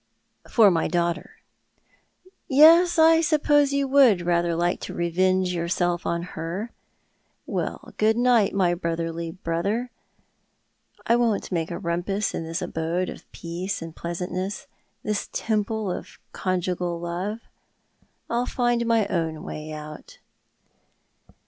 "For my daughter. Yes, I suppose you would rather like to revenge yourself on her. Well, good night, my brotherly brother. I won't make a rumpus in this abode of peace and pleasantness, this temple of conjugal love. I'll find my own M ay out."